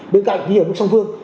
bên cạnh khi ở mức song phương